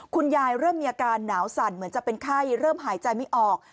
เริ่มมีอาการหนาวสั่นเหมือนจะเป็นไข้เริ่มหายใจไม่ออก